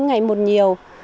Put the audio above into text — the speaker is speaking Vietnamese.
ngày một nhiều